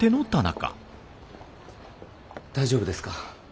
大丈夫ですか？